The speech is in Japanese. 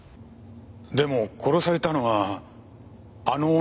でも殺されたのはあの女だった。